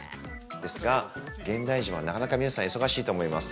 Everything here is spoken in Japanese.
ですが、現代人はなかなか皆さん忙しいと思います。